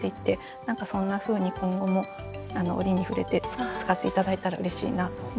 何かそんなふうに今後も折に触れて使って頂いたらうれしいなと思いました。